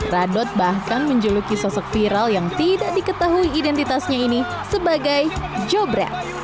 radot bahkan menjuluki sosok viral yang tidak diketahui identitasnya ini sebagai jobret